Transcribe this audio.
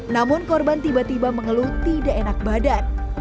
namun korban tiba tiba mengeluh tidak enak badan